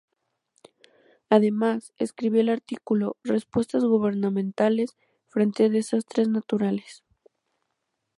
Además, escribió el artículo "Respuestas gubernamentales frente a desastres naturales.